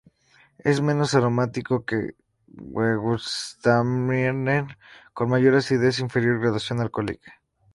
Es menos aromático que gewürztraminer con mayor acidez e inferior graduación alcohólica.